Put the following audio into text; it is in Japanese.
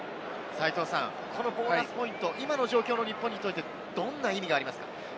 このボーナスポイント、今の状況の日本にとってどんな意味がありますか？